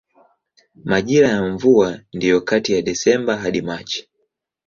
Majira ya mvua ndiyo kati ya Desemba hadi Machi.